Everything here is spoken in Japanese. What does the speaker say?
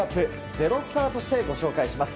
「ｚｅｒｏスター」としてご紹介します。